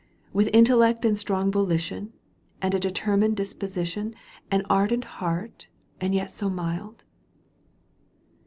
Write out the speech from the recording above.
With intellect and strong volition And a determined disposition. An ardent heart and yet so mild